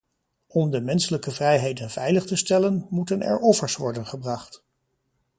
Om de menselijke vrijheden veilig te stellen, moeten er offers worden gebracht.